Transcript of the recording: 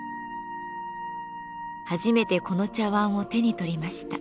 初めてこの茶碗を手に取りました。